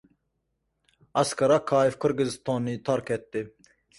Asqar Akayev Qirg‘izistonni tark etdi